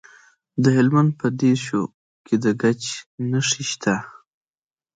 د هلمند په دیشو کې د ګچ نښې شته.